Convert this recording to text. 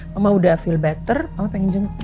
mama udah feel better mama pengen jempolin kamu ya